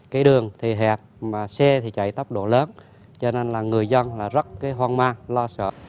cái đường thì hẹp mà xe thì chạy tốc độ lớn cho nên là người dân là rất hoang mang lo sợ